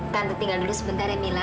tante tinggal dulu sebentar ya mila